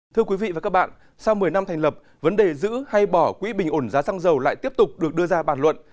thưa quý vị và các bạn sau một mươi năm thành lập vấn đề giữ hay bỏ quỹ bình ổn giá xăng dầu lại tiếp tục được đưa ra bàn luận